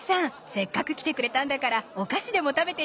せっかく来てくれたんだからお菓子でも食べていきな。